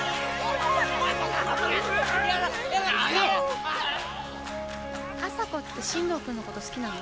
ねえ麻子って進藤君のこと好きなの？